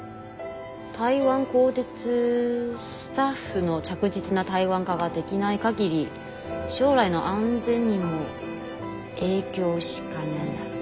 台灣高鐵スタッフの着実な台湾化ができない限り将来の安全にも影響しかねない」。